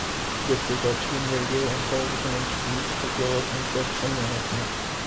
This resulted in radio and television interviews, as well as interest from management.